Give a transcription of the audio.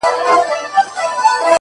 o ز ماپر حا ل باندي ژړا مه كوه ـ